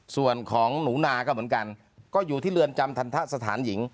ส่วนของหนูนาก็เหมือนกันก็อยู่ที่เรือนจำทันทะสถานหญิง